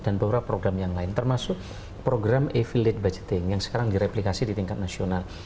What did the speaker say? dan beberapa program yang lain termasuk program affiliate budgeting yang sekarang direplikasi di tingkat nasional